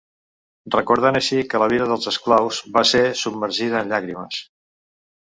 Recordant així que la vida dels esclaus va ser submergida en llàgrimes.